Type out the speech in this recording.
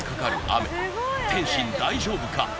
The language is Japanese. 雨天心大丈夫か？